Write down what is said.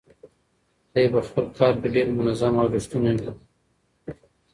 دی په خپل کار کې ډېر منظم او ریښتونی و.